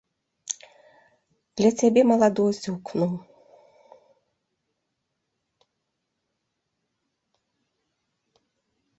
Для цябе маладосць гукну.